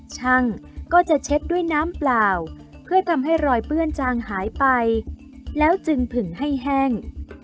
ช่างก็จะเช็ดด้วยน้ำเปล่าเพื่อทำให้รอยเปื้อนจางหายไปแล้วจึงผึ่งให้แห้ง